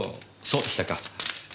そうでしたか。